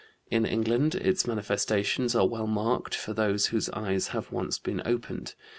In England its manifestations are well marked for those whose eyes have once been opened.